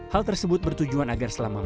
hal tersebut bertujuan agar selama masa ini